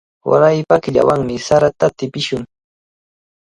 Waraypa killawanmi sarata tipishun.